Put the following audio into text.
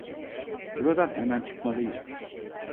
Buradan hemen çıkmalıyız.